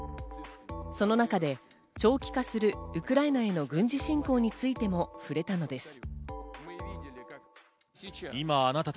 その中で長期化するウクライナへの軍事侵攻についても触れたのです。